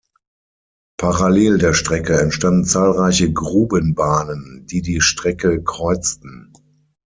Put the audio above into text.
Parallel der Strecke entstanden zahlreiche Grubenbahnen, die die Strecke kreuzten.